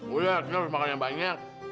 udah kenal harus makan yang banyak